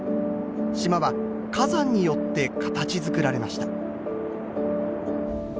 島は火山によって形づくられました。